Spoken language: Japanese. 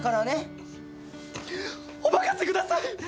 お任せください！